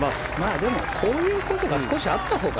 でもこういうことが少しあったほうが。